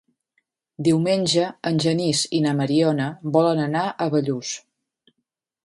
Diumenge en Genís i na Mariona volen anar a Bellús.